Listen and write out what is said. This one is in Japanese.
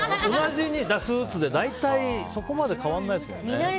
スーツで大体そこまで変わらないですからね。